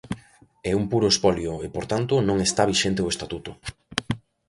É un puro espolio e, por tanto, non está vixente o Estatuto.